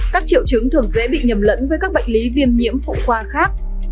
các triệu chứng thường dễ bị nhầm lẫn với các bệnh lý viêm nhiễm phụ khoa khác